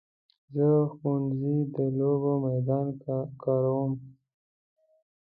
زه د ښوونځي د لوبو میدان کاروم.